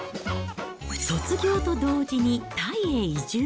卒業と同時にタイへ移住。